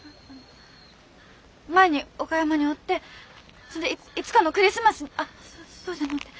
前に岡山におってそんでいつかのクリスマスにあっそそうじゃのうて。